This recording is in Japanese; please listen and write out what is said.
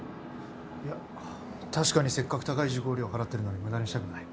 いや確かにせっかく高い受講料払ってるのに無駄にしたくない。